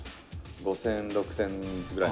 「５０００、６０００ぐらい」